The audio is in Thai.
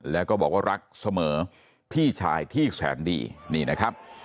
แล้วก็บอกว่ารักเสมอพี่ชายที่แสนดีนี่นะครับ